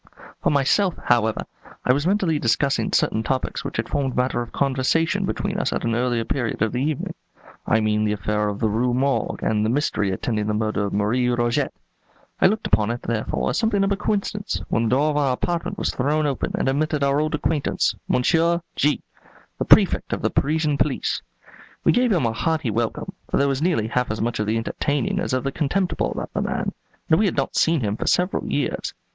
For myself, however, I was mentally discussing certain topics which had formed matter for conversation between us at an earlier period of the evening; I mean the affair of the Rue Morgue and the mystery attending the murder of Marie Roget. I looked upon it, therefore, as something of a coincidence, when the door of our apartment was thrown open and admitted our old acquaintance, Monsieur G , the Prefect of the Parisian police. We gave him a hearty welcome; for there was nearly half as much of the entertaining as of the contemptible about the man, and we had not seen him for several years.